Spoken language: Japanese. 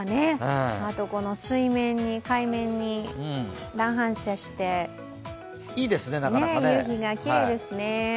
あと海面に乱反射して夕日がきれいですね。